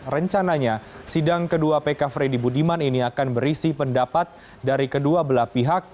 rencananya sidang kedua pk freddy budiman ini akan berisi pendapat dari kedua belah pihak